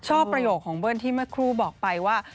ประโยคของเบิ้ลที่เมื่อครูบอกไปว่า